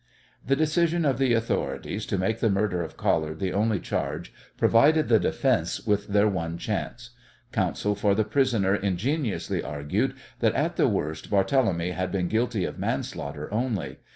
The decision of the authorities to make the murder of Collard the only charge provided the defence with their one chance. Counsel for the prisoner ingeniously argued that at the worst Barthélemy had been guilty of manslaughter only.